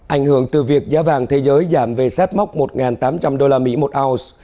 ảnh hưởng từ việc giá vàng thế giới giảm về sát mốc một tám trăm linh usd một ounce